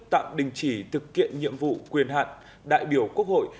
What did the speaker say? tạm đình chỉ thực hiện nhiệm vụ quyền hạn đại biểu quốc hội